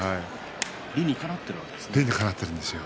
理にかなっているんですよ。